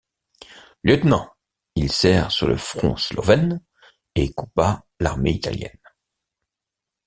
Lieutenant, il sert sur le front slovène et combat l'armée italienne.